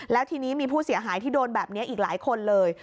แล้วทีนี้มีผู้เสียหายที่โดนแบบนี้อีกหลายคนเลย